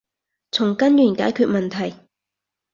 從根源解決問題